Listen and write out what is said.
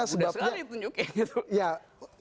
sudah sekali ditunjukin gitu